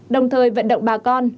đồng thời vận động bà con